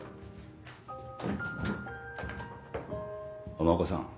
浜岡さん。